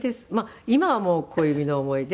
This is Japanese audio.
今はもう『小指の想い出』